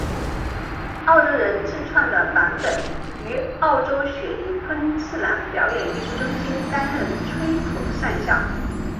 澳洲人自创的版本于澳洲雪梨昆士兰表演艺术中心担任崔普上校。